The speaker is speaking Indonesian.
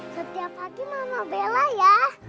setiap pagi mama bela ya